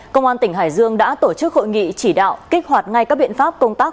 công an tỉnh hải dương đã tổ chức hội nghị chỉ đạo kích hoạt ngay các biện pháp công tác